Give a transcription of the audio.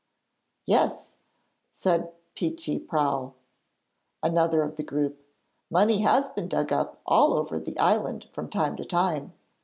'Yes,' said Peechy Prauw, another of the group. 'Money has been dug up all over the island from time to time.